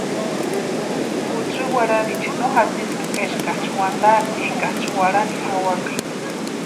Kutsï warhariecha no jatsiska eskaksï wantaaka énkaksï warhani jawaka.